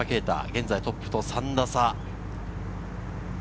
現在トップと３打差。